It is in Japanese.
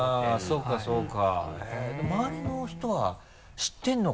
そうかそうか。